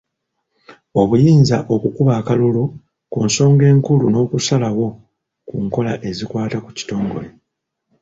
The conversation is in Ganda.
Obuyinza okukuba akalulu ku nsonga enkulu n'okusalawo ku nkola ezikwata ku kitongole.